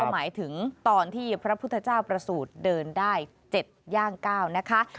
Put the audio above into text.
หมายถึงตอนที่พระพุทธเจ้าประสูจน์เดินได้๗ย่าง๙นะคะ